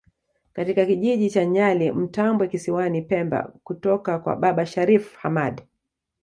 katika kijiji cha Nyali Mtambwe kisiwani pemba kutoka kwa baba Sharif Hamad